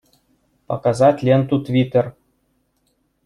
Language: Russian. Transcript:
Показать ленту Твиттер!